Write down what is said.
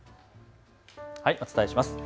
お伝えします。